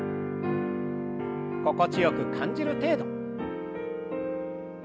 心地よく感じる程度。